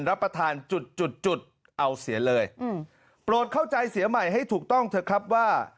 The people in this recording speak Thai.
รับประทานจุดจุดจุดเอาเสียเลยอืมโปรดเข้าใจเสียใหม่ให้ถูกต้องเถอะครับว่า